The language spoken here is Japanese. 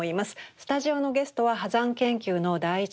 スタジオのゲストは波山研究の第一人者